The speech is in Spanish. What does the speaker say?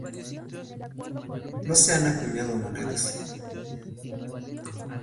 No se han acuñado monedas.